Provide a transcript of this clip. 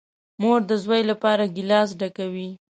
مور ده زوی لپاره گیلاس ډکوي .